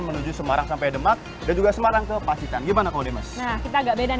menuju semarang sampai demak dan juga semarang ke pasitan gimana kalau dimas kita agak beda